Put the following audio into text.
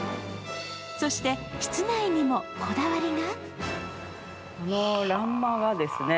そして室内にもこだわりが。